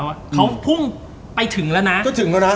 เค้าพุ่งไปถึงแล้วนะ